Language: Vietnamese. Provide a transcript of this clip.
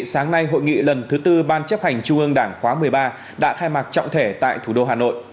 sáng nay hội nghị lần thứ tư ban chấp hành trung ương đảng khóa một mươi ba đã khai mạc trọng thể tại thủ đô hà nội